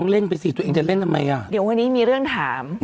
เลยเรื่องคุณแม่เคลียร์แล้วนะครับ